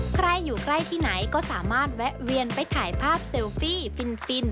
ใครอยู่ใกล้ที่ไหนก็สามารถแวะเวียนไปถ่ายภาพเซลฟี่ฟิน